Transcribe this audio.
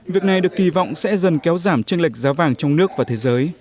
việc này được kỳ vọng sẽ dần kéo giảm tranh lệch giá vàng trong nước và thế giới